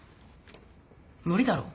無理だろ。